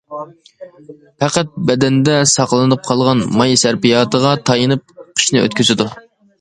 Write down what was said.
پەقەت بەدەندە ساقلىنىپ قالغان ماي سەرپىياتىغا تايىنىپ قىشنى ئۆتكۈزىدۇ.